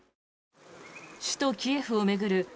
首都キエフを巡る